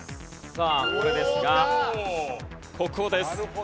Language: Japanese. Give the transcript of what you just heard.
さあこれですが国宝です。